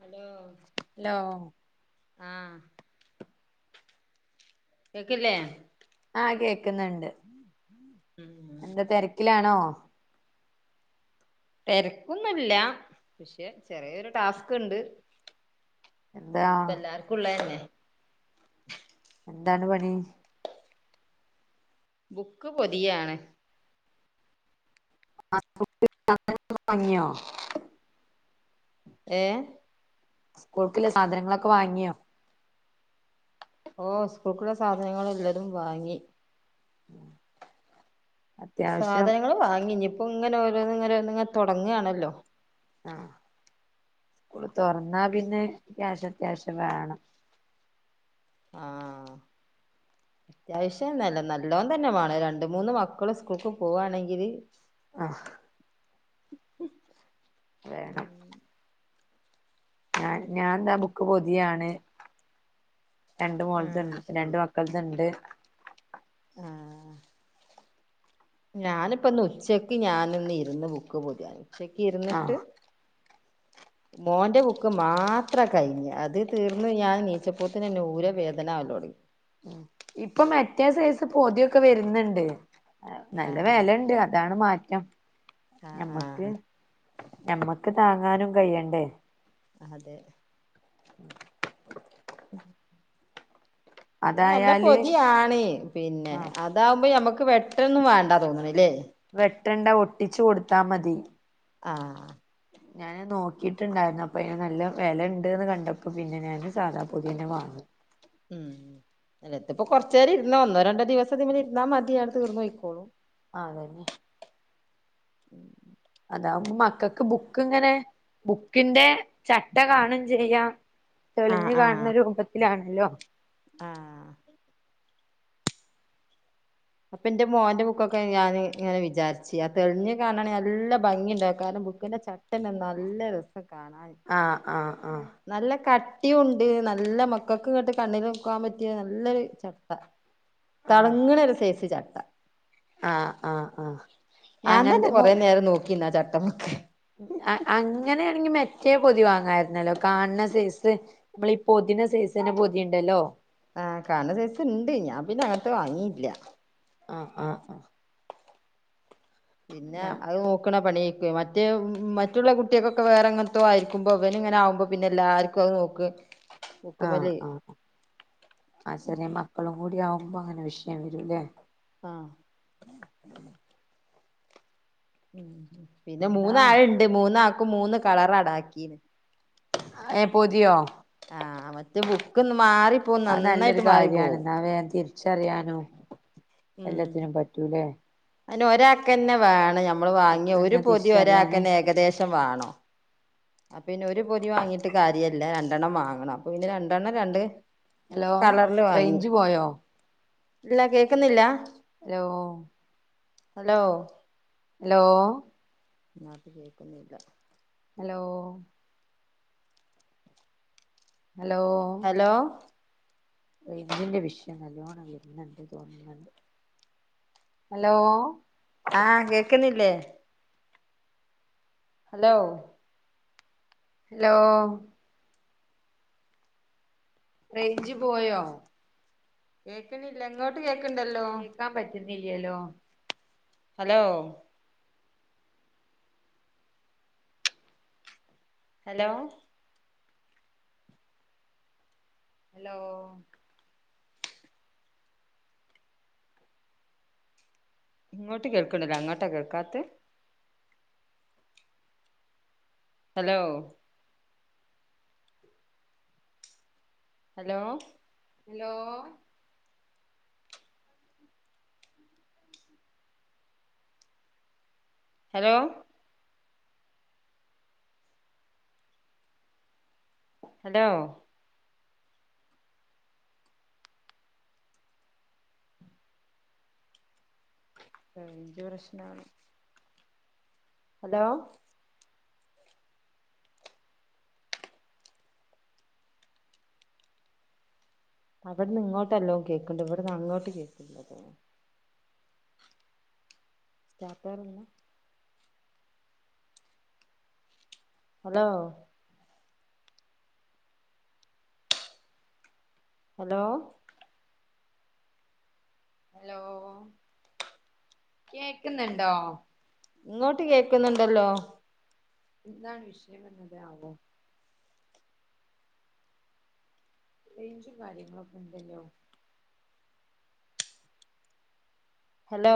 Hello hello ആഹ് കേക്കില്ലേ ആഹ് കേക്കുന്നുണ്ട് ഉം എന്താ തിരക്കിലാണോ തിരക്കൊന്നില്ല പക്ഷെ ചെറിയൊരു ടാസ്ക് ഉണ്ട് എന്താ ഇപ്പം എല്ലാ ർ ക്കും ഇള തന്നെ എന്താണ് പണി ബുക്ക് പൊതിയാണ് [unintelligible] ഏഹ് സ്കൂൾക്കിള്ള സാധനങ്ങളൊക്കെ വാങ്ങിയോ. ഓഹ് സ്കൂൾക്കുള്ള സാധനങ്ങൾ എല്ലതും വാങ്ങി. അത്യാവശ്യം സാധനങ്ങള് വാങ്ങി ഇനിയിപ്പോ ഇങ്ങനെ ഓരോന്ന് ഇങ്ങനെ തൊടങ്ങാണല്ലോ. ആഹ് സ്കൂള് തൊറന്ന പിന്നെ ക്യാഷ് അത്യാവശ്യം വേണം. ആഹ്. അത്യാവശ്യംന്നല്ല നല്ലോണം തന്നെ വേണം രണ്ട് മൂന്ന് മക്കള് സ്കൂൾക്ക് പോവാണെങ്കില് ആഹ്. വേണം. ഞാൻ ഞാൻ ദാ ബുക്ക് പൊതിയാണ് രണ്ട് മോളത്ത ആഹ് ഉണ്ട് ശരി രണ്ട് മക്ക ൾത്ണ്ട്. ആഹ്. ഞാന്പ്പ ന്ന് ഉച്ചക്ക് ഞാനൊന്നിരുന്ന് ബുക്ക്‌ പോത്യാന്. ഉച്ചക്കിരുന്നിട്ട്. ആഹ് മോന്റെ ബുക്ക്‌ മാത്ര കൈഞ്ഞേ? അത് തീർന്ന് ഞാൻ എണീറ്റപ്പൊയെക്ക് ഊര വേദനാവൽ തുടങ്ങി. ഇപ്പൊ മറ്റേ സൈസ് പൊതി യൊക്കെ വര്ന്ന്ണ്ട്. നല്ല ആഹ് വെലണ്ട് അതാണ് മാറ്റം. ആഹ് നമ്മക്ക്, ആഹ് നമ്മക്ക് താങ്ങാനും കയ്യണ്ടേ? അതെ. ഇത് നല്ല അതായാല് പൊതി ആണ് പിന്നെ ആഹ് അത് താവുമ്പോ ഞമ്മക്ക് വെട്ടൊന്നും വാണ്ട തോന്നണ ല്ലേ? വെട്ടണ്ട ഒട്ടിച്ചു കൊടുത്താ മതി. ആഹ്. ഞാന് നോക്കീട്ട്ണ്ടായിരുന്നു. അപ്പൊ അതിന് നല്ല വിലണ്ട്ന്ന് കണ്ടപ്പോ പിന്നെ, ഞാന് സാദാ പൊതി തന്നെ വാങ്ങി. ഉം, അല്ല ഇതിപ്പോ കൊറച്ചേരം ഇരുന്ന ഒന്നോ, രണ്ടോ ദിവസം ഇതിമ്മൽ ഇരുന്നാ മതി. ആണ്ട് തീർന്ന് പോയ്‌ക്കോളും. ആതന്നെ. അതാവുമ്പോ മക്കൾ ക്ക് ബുക്ക് ഇങ്ങനെ ബുക്കി ന്റെ ചട്ട കാണും ചെയ്യാം. ആഹ് തെളിഞ്ഞു ആഹ് കാണുന്ന രൂപത്തിലാണല്ലോ? ആഹ്. അപ്പൊ, എന്റെ മോന്റെ ബുക്കൊക്കെ ഞാന് ഇങ്ങനെ വിചാരിച്ച് ആഹ് തെളിഞ് കാണാണെ നല്ല ഭംഗി ണ്ടാവും കാരണം ബുക്കിന്റെ ച ട്ടെന്നെ നല്ല രസ കാണാനെ. ആഹ്, ആഹ്, ആഹ്. നല്ല കട്ടിയുണ്ട്, നല്ല മക്കൾ ക്ക്ങ്ങട്ട് കണ്ണിൽ വെക്കാൻ പറ്റിയ നല്ലൊരു ചട്ട. ആഹ് തളങ്ങണ ഒരു സൈസ് ചട്ട. ആഹ്, ആഹ്, ആഹ്. ഞാൻ തന്നെ അങ്ങനത്തെ കുറേ നേരം നോക്കി നിന്ന് ആഹ് ചട്ടമ്മക്ക്. അങ്ങനെ യാണെങ്കി, മറ്റേ പൊതി വാങ്ങാരുന്നല്ലോ? കാണണ സൈസ്. നമ്മൾ ഈ പൊതീണ സൈസ് തന്നെ പൊതിയുണ്ടല്ലോ. ആഹ്, കാണണ സൈസ് ഉണ്ട്. ഞാൻ പിന്നെ, അങ്ങനത്ത വാങ്ങില്ല. ആഹ്, ആഹ്, ആഹ്. പിന്നെ, ആഹ് അത് നോക്ക്ണ പണി ആയിരിക്കും. മ മറ്റേ മറ്റുള്ള കുട്ടികൾക് ഒക്കെ വേറെ എങനത്തോ ആയിരിക്കുമ്പോ അവൻ ഇങ്ങനെ ആകുമ്പോ പിന്നെ എല്ലാർക്കും അത് നോക്ക്. ആഹ്, ബുക്കുമല് ആഹ്. ആഹ്, ചെറിയ മക്കളും കൂടി ആവുമ്പോ അങ്ങനെ വിഷയം വരൂ ല്ലേ. ആഹ്. ഉം, പിന്നെ എന്താ മൂന്നാളുണ്ട് മൂന്നാൾക്കും മൂന്ന് കളർ അണ്ടാക്കീന്. ഏ, പൊതിയോ. ആഹ്, മറ്റേ ബുക്ക്ന്ന് മാറി- അത് നല്ലൊരു കാര്യാണ്. എന്നാ വേഗം തിരിച്ചറിയാനും എല്ലാത്തിനും പറ്റൂലേ. അതിന് ഒരാൾക് തന്നെ വേണം നമ്മള് വാങ്ങിയ ഒരു ബുക്കെന്നെ പൊതി ഒരാൾക് തിരിച്ചറിയാന് തന്നെ ഏകദേശം വേണം. അപ്പ പിന്നെ, ഒരു പൊതി വാങ്ങീട്ട് കാര്യം ഇല്ല. രണ്ടെണ്ണം വാങ്ങണം. അപ്പൊ പിന്നെ രണ്ടെണ്ണം രണ്ട് ഹലോ കളറില് വാങ്ങി. റേഞ്ച് പോയോ ഇല്ല കേക്കുന്നില്ല. ഹലോ? ഹലോ? ഹലോ ഇതിനാത്ത് കേക്കുന്നില്ല. ഹലോ ഹലോ ഹലോ റേഞ്ചിന്റെ വിഷയം നല്ലോണം വര്ന്ണ്ട് തോന്ന്ന്ന്ണ്ട്. ഹലോ, ആഹ് കേക്ക്ന്നില്ലേ? ഹലോ ഹലോ റേഞ്ച് പോയോ? കേക്ക്ണില്ല ഇങ്ങോട്ട് കേക്ക്ണ്ടല്ലോ. ക്ക്ന്നില്ല്യല്ലോ. ഹലോ ഹലോ ഹലോ ഇങ്ങോട്ട് കേൾക്ക്ണ്ടല്ലോ അങ്ങോട്ടാ കേൾക്കാത്തേ. Hello hello hello hello hello range പ്രശ്നാണ്. ഹലോ അവിട്ന്ന് ഇങ്ങോട്ട് നല്ലോം കേക്ക്ണ്ട് ഇവട്ന്ന് അങ്ങോട്ട് കേക്ക്ല്ലല്ലോ. [unintelligible] ഹലോ ഹലോ ഹലോ കേക്കുന്ന്ണ്ടോ? ഇങ്ങോട്ട് കേക്ക്ന്ന്ണ്ടല്ലോ. എന്താണ് വിഷയം എന്നത് ആവോ. റേഞ്ചും കാര്യങ്ങളും ഒക്കെ ഇണ്ടല്ലോ. ഹലോ